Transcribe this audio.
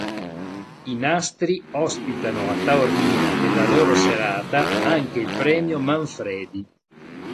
I Nastri ospitano a Taormina nella loro serata anche il premio Manfredi.